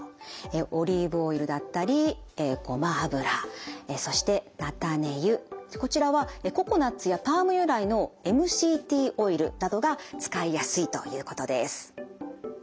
オリーブオイルだったりごま油そしてなたね油こちらはココナツやパーム由来のＭＣＴオイルなどが使いやすいということです。